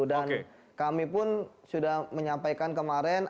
dan kami pun sudah menyampaikan kemarin